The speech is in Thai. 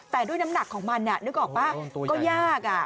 แต่ด้วยน้ำหนักของมันนึกออกป่ะก็ยาก